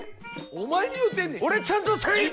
自分に言うてんねん！